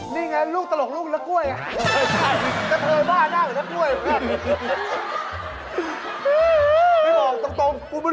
นี่ไงลูกตลกลูกอย่างละก้วย